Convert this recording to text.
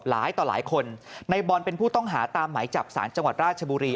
ต่อหลายคนในบอลเป็นผู้ต้องหาตามหมายจับสารจังหวัดราชบุรี